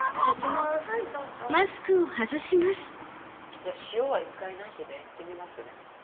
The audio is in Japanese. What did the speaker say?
じゃあ塩は１回なしで行ってみますね。